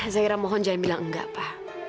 zahira mohon jangan bilang enggak pa